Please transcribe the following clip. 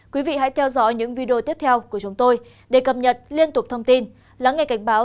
quý vị hãy theo dõi những video tiếp theo của chúng tôi để cập nhật liên tục thông tin